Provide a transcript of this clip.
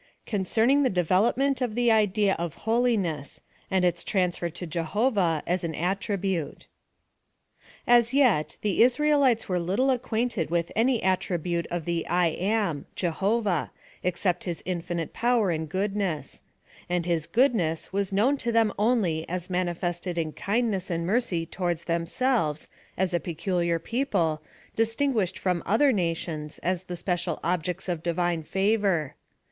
CONCERNING THE DEVELOPMENT OF THE IDEA OF HOLI NESS, AND ITS TRANSFER TO JEHOVAH AS AN ATTRI BUTE. As yet the Israelites were little acquainted with any attribute of the i am — Jehovah — except his infinite power and goodness ; and his goodness was known to them only as manifested in kindness and mercy towards themselves, as a peculiar people, distinguished from other nations, as the special objects of the Divine favor.